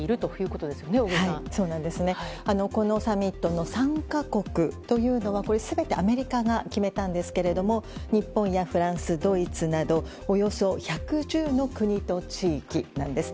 このサミットの参加国は全てアメリカが決めたんですが日本やフランス、ドイツなどおよそ１１０の国と地域なんです。